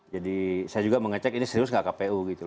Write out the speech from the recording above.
jadi saya juga mengecek ini serius nggak kpu gitu